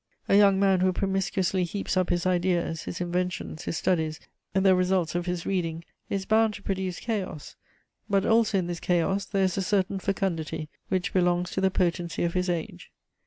A young man who promiscuously heaps up his ideas, his inventions, his studies, die results of his reading, is bound to produce chaos; but also in this chaos there is a certain fecundity which belongs to the potency of his age.